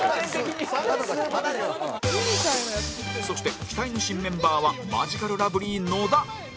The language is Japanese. そして期待の新メンバーはマヂカルラブリー野田